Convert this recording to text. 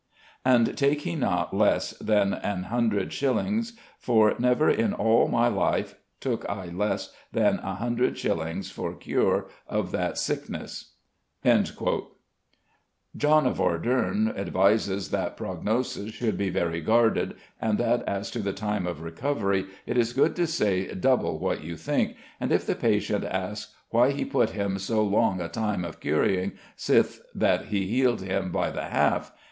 And take he not less than an hundred shillyns, for never in als my life took I less than an hundred shillyns for cure of that sekeness." John of Arderne advises that prognosis should be very guarded, and that as to the time of recovery it is good to say double what you think, and if the patient ask "why he putte him so long a time of curying, sithe that he heled him by the halfe?